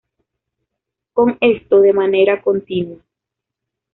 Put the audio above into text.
Con esto de manera continua.